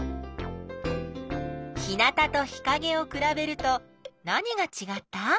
日なたと日かげをくらべると何がちがった？